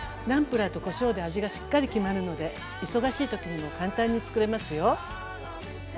ナムプラーとこしょうで味がしっかり決まるので忙しい時にも簡単につくれますよ。